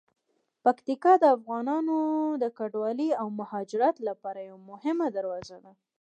پکتیکا د افغانانو د کډوالۍ او مهاجرت لپاره یوه مهمه دروازه ده.